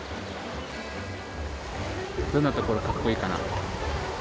どんなところがかっこいいかな？